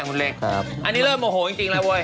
อันนี้เริ่มโอโหจริงแล้ว